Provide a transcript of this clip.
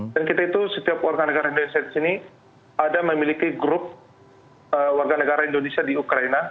dan kita itu setiap warga negara indonesia di sini ada memiliki grup warga negara indonesia di ukraina